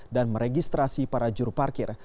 dan meregistrasi para juru parkir